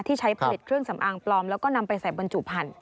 ใช้ผลิตเครื่องสำอางปลอมแล้วก็นำไปใส่บรรจุพันธุ